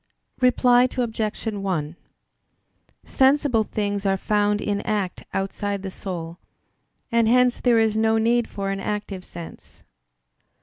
Reply Obj. 1: Sensible things are found in act outside the soul; and hence there is no need for an active sense.